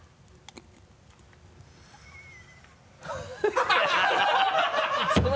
ハハハ